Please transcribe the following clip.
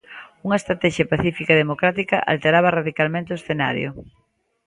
Unha estratexia pacífica e democrática alteraba radicalmente o escenario.